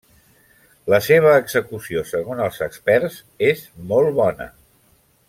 La seva execució segons els experts, és molt bona.